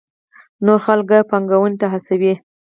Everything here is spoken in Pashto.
نور خلک پانګونې ته هڅوي.